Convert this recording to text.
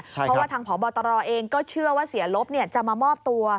เพราะว่าทางพบตรเองก็เชื่อว่าเสียลบจะมามอบตัว